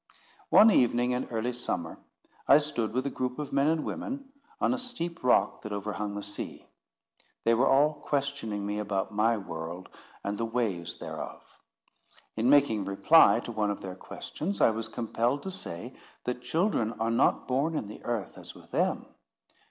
One evening in early summer, I stood with a group of men and women on a steep rock that overhung the sea. They were all questioning me about my world and the ways thereof. In making reply to one of their questions, I was compelled to say that children are not born in the Earth as with them.